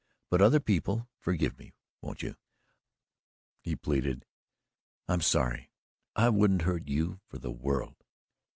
But other people forgive me, won't you?" he pleaded. "I'm sorry. I wouldn't hurt you for the world."